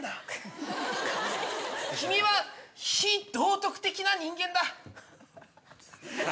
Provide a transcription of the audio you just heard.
君は非道徳的な人間だ。